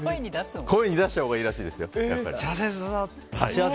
声に出したほうがいいらしいですよ。